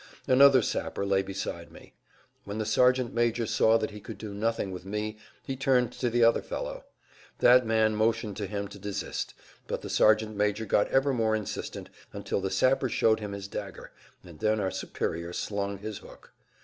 Another sapper lay beside me. When the sergeant major saw that he could do nothing with me he turned to the other fellow. That man motioned to him to desist, but the sergeant major got ever more insistent, until the sapper showed him his dagger, and then our superior slung his hook.